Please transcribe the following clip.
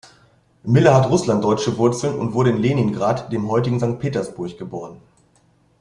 Miller hat russlanddeutsche Wurzeln und wurde in Leningrad, dem heutigen Sankt Petersburg, geboren.